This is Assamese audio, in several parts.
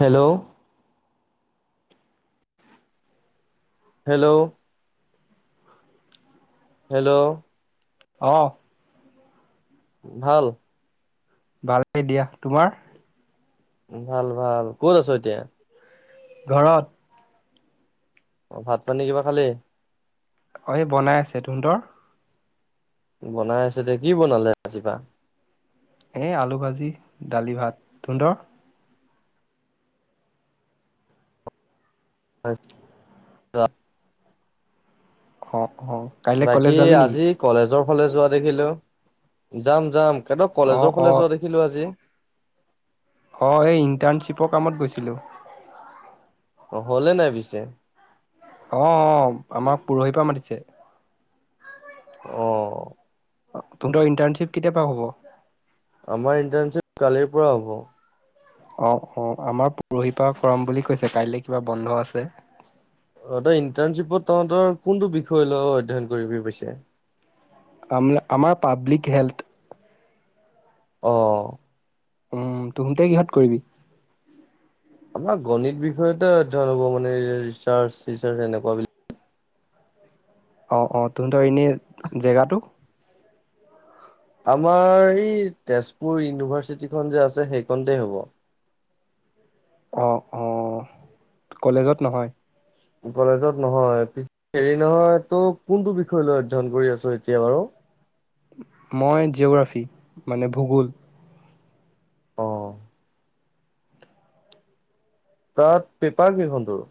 হেল্ল', হেল্ল', হেল্ল', অ', ভাল। ভাল দিয়া তোমাৰ? ভাল-ভাল কত আছ এতিয়া? ঘৰত অ' ভাত পানী কিবা খালি? অ' এই বনাই আছে টোহোতৰ। বনাই আছে দে কি বনালে ৰাজিপা। এ আলু ভাজি দালি ভাত তুনধৰ। হয়। খত [unintelligible] বাকী আজি কলেজৰ ফালে যোৱা দেখিলো যাম-যাম কেতক অ', কলেজৰ ফালে অ', যোৱা দেখিলো আজি। অ' এই ইন্টাৰ্ণশ্বিপৰ কামত গৈছিলোঁ। অ' হলে নাই পিছে? অহ-অহ, আমাক পৰহিৰ পৰা মাতিছে। অহ, তুনধৰ ইণ্টাৰ্ণশ্বিপ কেতিয়াবা হ'ব? আমাৰ ইণ্টাৰ্ণশ্বিপ কালিৰ পৰা হ'ব। অ-অ, আমাৰ পৰহি পৰা কৰাম বুলি কৈছে কাইলে কিবা বন্ধ আছে। অ' ইণ্টাৰ্ণশ্বিপত তহতৰ কোনটো বিষয় লয় অধ্যয়ন কৰিবি পিছে? আ আমাৰ পাব্লিক হেল্থ। অহ, উম, তহুতে কিহত কৰিবি? আমাৰ গণিত বিষয়তে অধ্যয়ন হ'ব মানে ৰিচাৰ্চ চচাৰ এনেকুৱা বিলাক, অ-অ তহঁতৰ এনেই জেগাটো? আমাৰ এই তেজপুৰ ইউনিভাৰ্চিটিখন যে আছে সেইখনতে হ'ব। অঁ-অঁ কলেজত নহয়। কলেজত নহয় হেৰি নহয় ত' কোনটো বিষয় লৈ অধ্যয়ন কৰি আছো এতিয়া বাৰু। মই জিঅগ্ৰাফী মানে ভূগোল। অ', তাত পেপাৰ কেইখন তোৰ?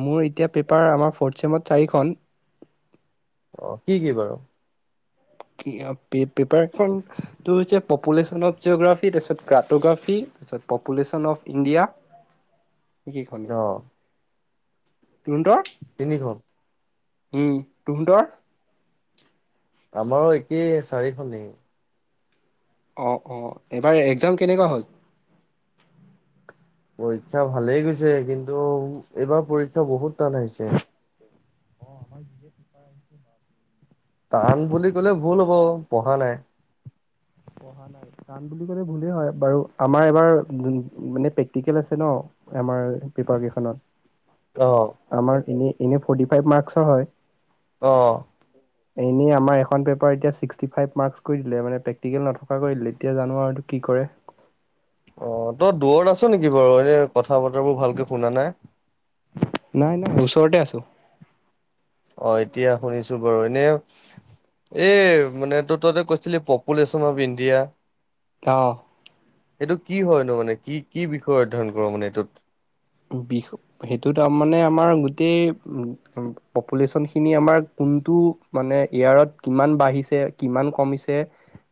মোৰ এতিয়া পেপাৰ আমাৰ ফৰ্থ চেমত চাৰিখন। অ' কি-কি বাৰু? পেপাৰখনটো হৈছে পপুলেশ্যন অফ জিঅ'গ্ৰাফি তাৰপিছত ক্ৰাটোগ্ৰাফী। তাৰপিছত পপুলেশ্যন অফ ইণ্ডিয়া। [inaudible] সেইকেইখনে, অ', তোহতৰ তিনিখ উম, তুহঁতৰ? আমাৰো একেই চাৰিখনেই। অ-অ এবাৰ এক্সাম কেনেকুৱা হল? পৰীক্ষা ভালেই গৈছে কিন্তু এইবাৰ পৰীক্ষা বহুত টান আহিছে। অ' আমাৰ নিজে ন [unintelligible] টান বুলি কলে ভুল হ'ব পঢ়া নাই। পঢ়া নাই কাৰণ বুলি কলে ভুলেই হয় বাৰু আমাৰ এবাৰ মানে প্ৰেক্টিকেল আছে ন। আমাৰ পেপাৰ‌ অ', কেইখনত আমাৰ এনেই এনেই ফৰ্টি ফাইভ মাৰ্ক্সৰ হয়। আহ। এনেই আমাৰ এখন পেপাৰ এতিয়া ছিক্সি ফাইভ মাৰ্ক্স‌ কৰি দিলে মানে প্ৰে প্ৰক্টিকেল নথকা কৰিল এতিয়া জানো আৰু কি কৰে। অ' তই দূৰত আছ নেকি বাৰু? এনে কথা বতৰাবোৰ ভালকে শুনা নাই। নাই নাই, ওচৰতে আছো। অ' এতিয়া শুনিছো বাৰু এনে এই মানে ত ততে কৈছিলি পপুলেশ্যন অফ ইণ্ডিয়া আহ। এইটো কি হয়নো? মানে কি কি বিষয় অধ্যয়ন কৰো মানে এইটোত? সেইটো তাৰ মানে আমাৰ গোটেই পপুলেশ্যন খিনি আমাৰ কোনটো মানে এয়াৰত কিমান বাঢ়িছে, কিমান কমিছে,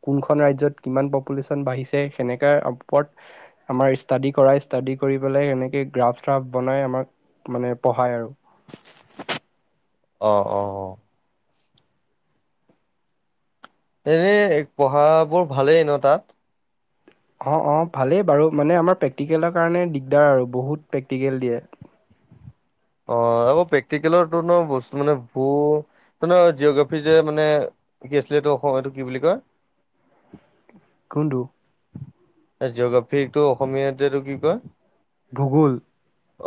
কোনখন ৰাজ্যত কিমান পপুলেশ্যন বাঢ়িছে ছে সেনেক ওপৰত আমাৰ ষ্টাডি কৰাই, ষ্টাডি কৰি পেলাই সেনেকৈ গ্ৰাফ চ্ৰফ বনাই, আমাক মানে পঢ়ায় আৰু। আহ অ'। এনেই পঢ়াবোৰ ভালেই ন তাত? অ' অ' ভালেই বাৰু, প্ৰেক্টিকেলৰ কাৰণে দিগদাৰ আৰু, বহুত প্ৰেক্টিকেল দিয়ে। অ' আকৌ প্ৰেক্টিকেলৰো বস্তু মানে ভ জিঅগ্ৰাফি যে মানে শিকে আছিলে এইটো অসম এইটো কি বুলি কয় কোনটো জিঅগ্ৰাফিটো অসমীয়াত এইটো কি কয়? ভূগোল।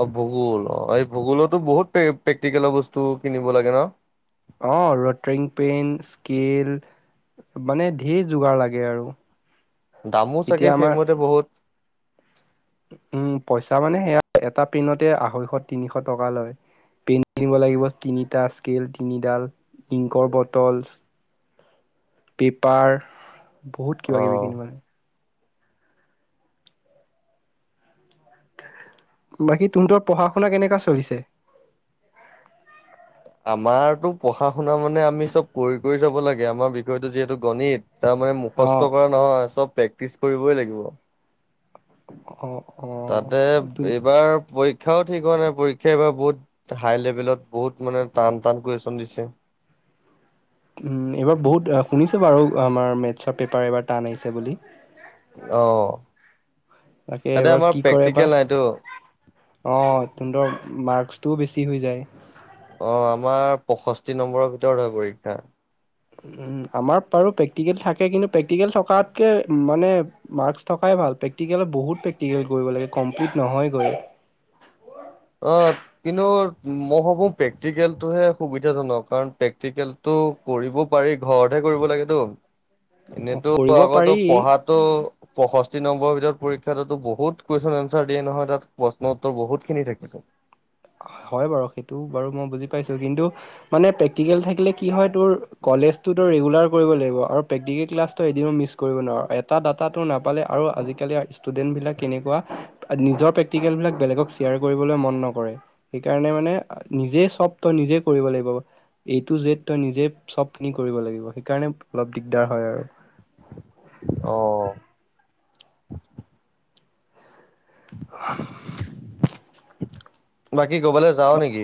অ' ভূগোল অ' এই ভূগোলত বহুত প্ৰেক্টিকেলৰ বস্তু কিনিব লাগে ন? অ' ৰট্ৰিং পেন স্কেল মানে ধেৰ যোগাৰ লাগে আৰু দামো চাগে এতিয়া আমাৰ সেইমতে বহুত উম পইচা মানে সেয়া এটা পিনতে আঢ়ৈশ তিনিশ টকা লয়। পে কিনিব লাগিব তিনিটা স্কেল তিনিডাল ইংকৰ বটল, পেপাৰ বহুত কিবা কিবি অ কিনি মানে বাকী তুহতৰ পঢ়া শুনা কেনেকা চলিছে? আমাৰতো পঢ়া শুনা মানে আমি চব কৰি কৰি যাব লাগে আমাৰ বিষয়টো যিহেতু গণিত, তাৰমানানে অ', মুখস্থ কৰা নহয় চব প্ৰেক্টিচ কৰিবই লাগিব। অ' অ'। তাতে এইবাৰ প শিক্ষাও ঠিক হোৱা নাই পৰীক্ষা এইবাৰ বহুত হাই লেভেলত বহুত মানে টান টান কুৱেশ্যন দিছে উ এইবাৰ বহুত শুনিছো বাৰু আমাৰ মেথছৰ পেপাৰ এইবাৰ টান আহিছে বুলি আহ তাকে এইবাৰ কি কৰে বা অ' তৰ মাৰ্কচটোও বেছি হৈ যায়। অ' আমাৰ পষষ্ঠি নম্বৰৰ ভিতৰত হয় পৰীক্ষা উ আমাৰ বাৰু প্ৰেক্টিকেল থাকে কিন্তু প্ৰেক্টিকেল থকাতকে মানে মাৰ্ক থক ভ প্ৰেটত বহুত প্ৰেক্ট কৰিব লাগম্লি নহয়ৈ অ' কিন্তু মই ভাবো প্ৰেক্টিকেলতটোহে সুবিধাজনক কাৰণ প্ৰেক্টিকেল কৰিব পাৰি ঘৰতহে কৰিব লা এনেতো কৰিব আগতো পাৰি পঢ়াতো পয়ষষ্ঠি নম্বৰ ভিতৰত পৰীক্ষাতো বহুত কুৱেশন এঞ্চাৰ দিয়ে নহয় তাত প্ৰশ্ন উত্ত বহুতখিনি থাকে উঠ, হয় বাৰু, সেইটো বাৰু মই বুজি পাইছোঁ। কিন্তু মানে প্ৰেটিকেল থাকিলে কি হয় তুৰ কলেজত ৰেগুলাৰ কৰিব লাগিব আৰু প্ৰেক্টিকেল ক্লাছটো এদিনো মিছ কৰিব নোৱাৰোঁ। এটা ডাটা তোৰ নাপালে আৰু আজিকালি ষ্টুডেন্ট বিলাক কেনেকুৱা, নিজৰ প্ৰেক্টিকেল বিলাক বেলেগক শ্বেয়াৰ কৰিবলৈ মন নকৰে। সেইকাৰণে মানে নিজে চব তই নিজে কৰিব লাগিব। এই টু জেদ তই নিজে চব খিনি কৰিব লাগিব। সেইকাৰণে অলপ দিগদাৰ হয় আৰু আহ [inaudible] বাকী কৰবালৈ যাও নেকি?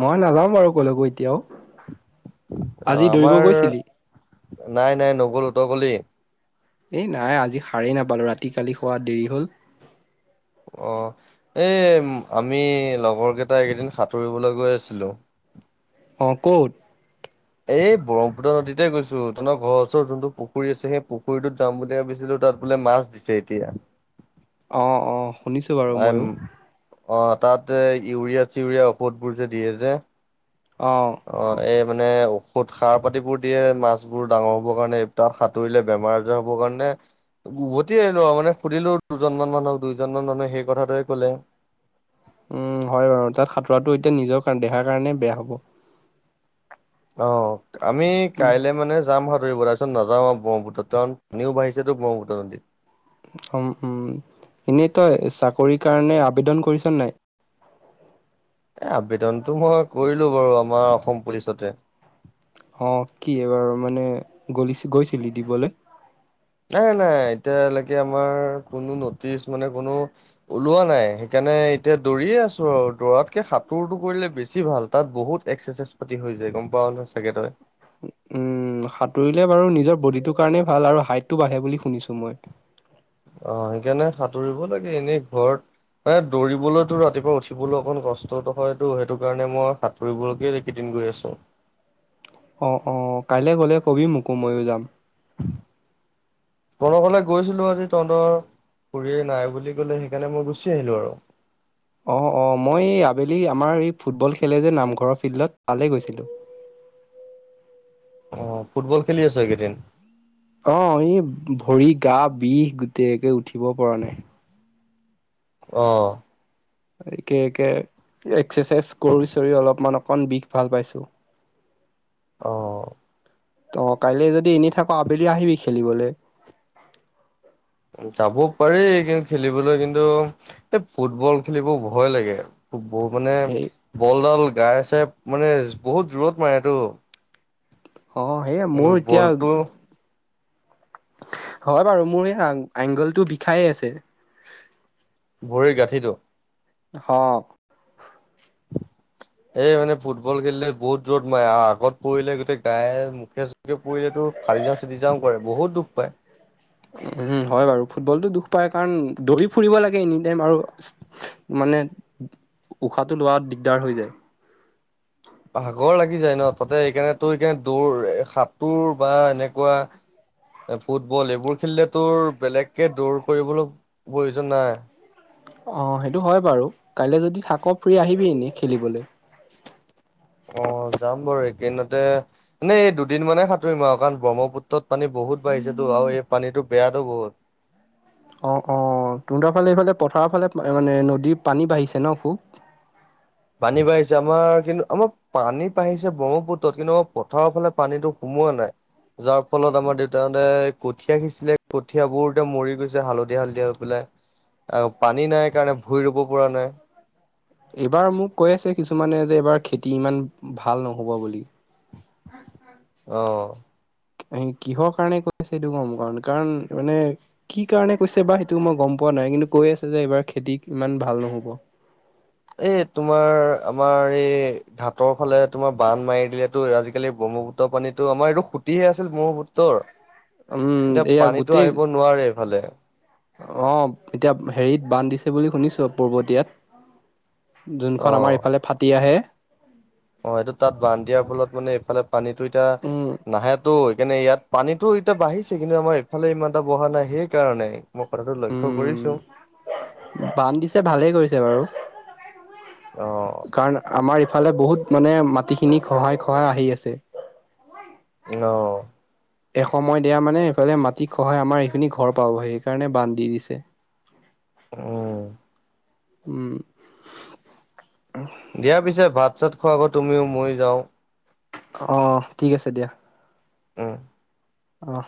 মই নাযাওঁ বাৰ ক'লৈকোঁ এতিয়াও অ আজি দৌৰিব আমাৰ গৈছিলি? নাই নাই নগল। তই গলি? এই নাই আজি সাৰেই নাপালো ৰাতি কালি খোৱাত দেৰি হ'ল। অ এই আমি লগৰ কেইটাই এইকেইদিন সাঁতুৰিবলৈ গৈ আছিলো। অ, কত? এই ব্ৰহ্মপুত্ৰ নদীতে গৈছো, তহঁনৰ ঘৰ ওচৰৰ জুনটো পুুখুৰী আছে, সেই পুখুৰীটোত যাম বুলি ভাবিছিলো তাত বোলে মাছ দিছে এতিয়া। অ অ শুনিছো বাৰু ময়ো। অ তাত ইউৰিয়া- চিউৰিয়া ঔষধবোৰ যে দিয়ে যে অ এই মানে ঔষধ সাৰ পাতিবোৰ দিয়ে, মাছ বোৰ ডাঙৰ হ'বৰ কাৰণে, তাত সাঁতুৰিলে বেমাৰ আজাৰ হব কাৰ উভতি আহিলো আৰু মানে সুধিলো দুজনমান মানুহক দুইজন মান মানুহে সেই কথাটোৱে কলে। উম হয় বাৰু তাত সাঁতোৰাটো এতিয়া নিজৰ দেহাৰ কাৰণে বেয়া হ'ব। অ আমি কাইলে মানে যাম তাৰপাছত নাযাও আৰু ব্ৰহ্মপুত কাৰণ পানীও বাঢিছেতো ব্ৰহ্মপুত্ৰ আজি। উম উম। এনেই তই চাকৰি কাৰণে আবেদন কৰিছো নে নাই? এই আবেদনতটো মই কৰিলো বাৰু আমাৰ অসম পুলিচতে অ কি এইবাৰু মানে গল গৈছিলি দিবলৈ? নাই নাই এতিয়ালৈকে আমাৰ কোনো নটিচ মানে কোনো ওলোৱা নাই সেইকাৰণে এতিয়া দৌৰিয়ে আছো আৰু দৌৰাতকে সাঁতোৰটো কৰিলে বেছি ভাল, তাত বহুত এক্সাৰচাইজ পাতি হৈ যায় গম পাও ল চাগে তই উম সাঁতুৰিলে বাৰু নিজৰ বডিটোৰ কাৰণে ভাল আৰু হাইটটো বাঢ়ে বুলি শুনিছো মই। অ সেইকাৰণে সাঁতুৰিব লাগে এনেই ঘৰত এ দৌৰিবলৈতো ৰাতিপুৱা উঠিবলৈ অকন কষ্ট হয়তো। সেইটো কাৰণে মই সাতুৰিবলৈকে কেইদিন গৈ আছোঁ। অ অ কাইলৈ গলে কবি মোকো ময়ো যাম। তহনৰফালে গৈছিলো আজি তহতৰ খুৰীয়ে নাই বুলি কলে, সেইকাৰণে মই গুচি আহিলো আৰু অ অ মই আবেলি আমাৰ এই ফুটবল খেলে যে নামঘৰৰ ফিল্ডত, তালে গৈছিলো। [unintelligible] আহ ফুটবল খেলি আছো এইকেইদিন? অ ই ভৰি, গা বিষ গোটে উঠিব পৰা নাই। আহ একে একে এক্সাৰচাইজ কৰি চৰি অলপমান অকমন বিষ ভাল পাইছো। আহ। ত কাইলে যদি এনি থাকো আবেলি আহিবি খেলিবলৈ। যাব পাৰি কিন্তু খেলিবলৈ, কিন্তু এই ফুটবল খেলিব ভয় লাগে। বহুত মানে সেই বলডাল গাই চাই মানে বহুত জোৰত মাৰেটো। অ' সেয় মোৰ এতিয়া বলটো হয় বাৰু মোৰ এই এংগলটো বিষায় আছে। ভৰিৰ গাঁঠিটো? অহ। [inaudible] এই মানে ফুটবল খেলিলে বহুত জোৰত মাৰে। আগত পৰিলে গোটেই গায়ে মুখে চুখে পৰিলেতো ফালি যাওঁ চিটি যাওঁ কৰে। বহুত দুখ পায়। উম হয় বাৰু ফুটবলটো দুখ পায় কাৰণ দৌৰি ফুৰিব লাগে এনি টাইম আৰু। মানে উশাহটো লোৱা দিগদাৰ হৈ যায়। [inaudible] ভাগৰ লাগি যায় ন। তাতে সেইকাৰণে তোৰ সেইকাৰণ দৌৰ সাতোৰ বা এনেকুৱা। ফুটবল এইবোৰ খেলিলে তোৰ বেলেগকে দৌৰ কৰিবলৈ প্ৰয়োজন নাই। অ' সেইটো হয় বাৰু। কাইলৈ যদি থাক ফু্ৰি আহিবি এনে খেলিবলৈ। [inaudible] অ' যাম বাৰু একেইদিনতে। এনে এই দুদিনমানে সাঁতুৰিম আৰু কাৰণ ব্ৰহ্মপুত্ৰত পানী বহুত। বহুত বাঢ়িছেতো আৰু এই পানীটো বেয়াটো বহুত। অ', অ' তহঁতৰ ফালে এইফালে পথাৰৰ ফালে মানে নদীৰ পানী বাঢ়িছে ন খুব? [inaudible] পানী বাঢ়িছে আমাৰ কিন্তু আমাৰ পানী বাঢ়িছে ব্ৰহ্মপুত্ৰত কিন্তু আমাৰ পথাৰৰ ফালে পানীটো সোম সোমোৱা নাই। যাৰ ফলত আমাৰ দেউতাহঁতে। কঠীয়া সিঁছিলে, কঠিয়াবোৰ এতিয়া মৰি গৈছে হালধীয়া-হালধীয়া হৈ পেলাই। আৰু পানী নাই কাৰণে ভুই ৰুব পৰা নাই। এইবাৰ মোক কৈ আছে কিছুমানে যে এইবাৰ খেতি ইমান ভাল নহ'ব বুলি। অ', অ'কিহৰ কাৰণে কৈছে সেইটো গম পোৱা নাই। কাৰণ মানে কি কাৰণে কৈছে বা সেইটোও মই গম পোৱা পোৱা নাই। কিন্তু কৈ আছে যে এইবাৰ খেতি ইমান ভাল নহ'ব। [inaudible] এই তোমাৰ আমাৰ এই ঘাটৰ ফালে তোমাৰ বান মাৰি দিলেতো আজিকালি ব ব্ৰহ্মপুত্ৰৰ পানীটো আমাৰ এইটো খুটিহে আছিল ব্ৰহ্মপুত্ৰৰ। উম এতিয়া এয়া পানীতো আহিব নোৱাৰে এইফালে। অ' এতিয়া হেৰিত বান্ধ দিছে বুলি শুনিছো পূৰ্বতীয়াত। অ যোনখন আমাৰ ইফালে ফাটি আহে। অ' সেইটো তাত বান্ধ দিয়াৰ ফলত মানে এইফালে পানীটো উম এতিয়া নাহেতো। মানে ইয়াত পানীতো এতিয়া বাঢ়িছে কিন্তু আমাৰ ইফালে ইমান এটা বঢ়া নাই সেইকাৰণে। মই কথাটো লক্ষ্য কৰিছো। উম বান্ধ দিছে ভালেই কৰিছে বাৰু, অ কাৰণ আমাৰ ফালে বহুত মানে মাটিখিনি খহাই, খহাই আহি আছে। অ', এসময়ত এয়া মানে সেফালে মাটিত খহাই আমাৰ এইখিনি ঘৰ পাব। সেইকাৰণে বান্ধ দি দিছে। উম। উম। দিয়া পিছে ভাত চাত খোৱা আকৌ তুমিও মই যাওঁ। অ' ঠিক আছে দিয়া। উম। অ'।